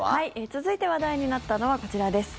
続いて話題になったのは、こちらです。